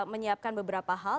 menyiapkan beberapa hal